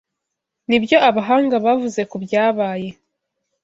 Nibyo abahanga bavuze ko byabaye.